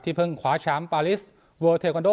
ที่เพิ่งคว้าแชมป์ปาริสเวิร์ดเทคโนโด